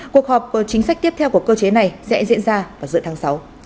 cuộc họp chính sách tiếp theo của cơ chế này sẽ diễn ra vào giữa tháng sáu